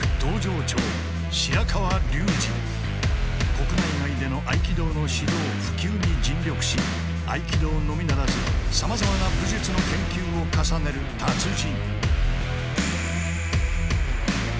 国内外での合気道の指導普及に尽力し合気道のみならずさまざまな武術の研究を重ねる達人。